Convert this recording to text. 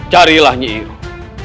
carilah nyi iroh